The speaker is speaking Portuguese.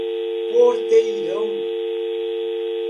Porteirão